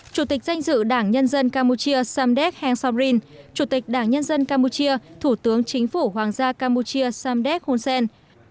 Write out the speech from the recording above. chủ tịch danh dự đảng nhân dân campuchia samdek hengsamrin chủ tịch đảng nhân dân campuchia thủ tướng chính phủ hoàng gia campuchia samdek hunsen